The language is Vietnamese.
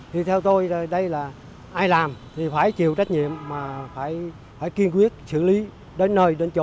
thì theo tôi đây là ai làm thì phải chịu trách nhiệm mà phải kiên quyết xử lý đến nơi đến chỗ